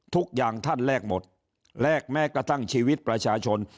ทุกอย่างท่านแลกหมดแลกแม้กระทั่งชีวิตประชาชน